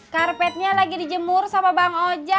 karpetnya lagi dijemur sama bang oja